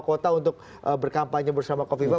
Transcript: kota untuk berkampanye bersama kofifa